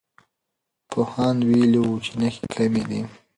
پوهاند ویلي وو چې نښې کمي دي.